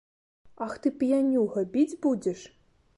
Ах ты, п'янюга, біць будзеш?